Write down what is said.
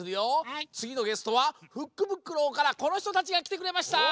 つぎのゲストは「フックブックロー」からこのひとたちがきてくれました。